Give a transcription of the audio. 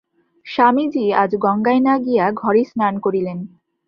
স্বামীজী আজ গঙ্গায় না গিয়া ঘরেই স্নান করিলেন।